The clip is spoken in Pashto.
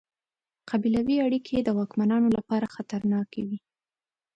قبیلوي اړیکې یې د واکمنانو لپاره خطرناکې وې.